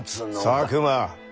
佐久間。